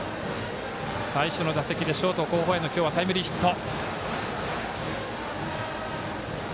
最初の打席でショート後方への今日はタイムリーヒット。